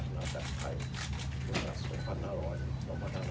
สวัสดีครับ